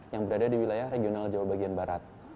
yang berada di wilayah regional jawa bagian barat